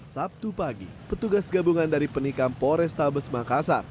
sabtu pagi petugas gabungan dari penikam pores tabes makassar